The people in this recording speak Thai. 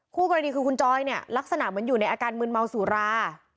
คู่กรณีคือคุณจอยเนี่ยลักษณะเหมือนอยู่ในอาการมืนเมาสุรา